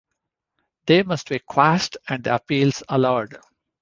They must be quashed and the appeals allowed.